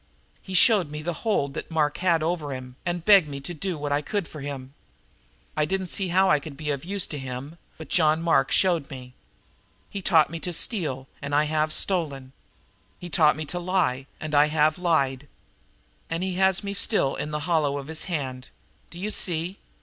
He showed me the hold that Mark had over him, and begged me to do what I could for him. I didn't see how I could be of use to him, but John Mark showed me. He taught me to steal, and I have stolen. He taught me to lie, and I have lied. And he has me still in the hollow of his hand, do you see?